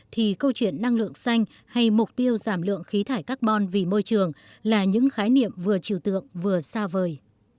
thì câu chuyện năng lượng xanh hay mục tiêu giảm lượng khí thải carbon vì môi trường là những khái niệm vừa trừ tượng vừa xa vời